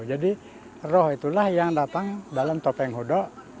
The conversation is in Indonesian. jadi roh itulah yang datang dalam topeng hudok